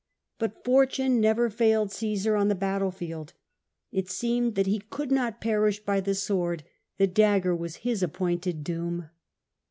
But fortune never failed Caesar on the battlefield. It seemed that he could not perish by the sword : the dagger was his appointed doom.